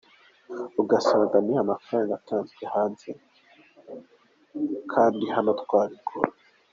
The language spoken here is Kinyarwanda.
Ugasanga ni ya mafaranga atanzwe hanze kandi hano twabikora.